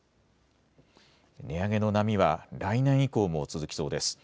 値上げの波は来年以降も続きそうです。